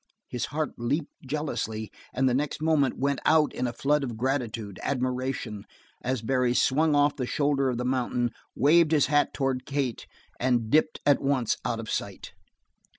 His heart leaped jealously and the next moment went out in a flood of gratitude, admiration, as Barry swung off the shoulder of the mountain, waved his hat towards Kate, and dipped at once out of sight.